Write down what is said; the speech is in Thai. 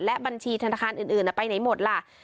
และบัญชีธนาคารอื่นไปไหนหมดล่ะ